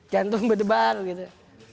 jantung berdebar gitu